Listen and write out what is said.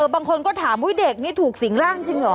เออบางคนก็ถามวิ้วเด็กนี่ถูกสิงหล้างจริงหรอ